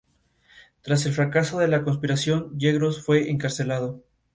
Tras el fracaso de la conspiración, Yegros fue encarcelado.